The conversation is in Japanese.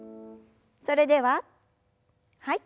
それでははい。